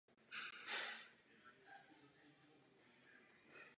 Všichni tedy měli motiv.